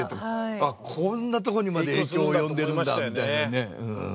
あっこんなとこにまで影響及んでるんだみたいなね。